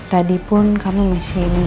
tadi pun kamu masih di rumah